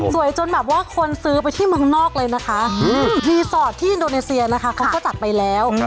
จนแบบว่าคนซื้อไปที่เมืองนอกเลยนะคะรีสอร์ทที่อินโดนีเซียนะคะเขาก็จัดไปแล้ว